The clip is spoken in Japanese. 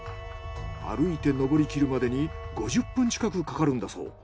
歩いて登りきるまでに５０分近くかかるんだそう。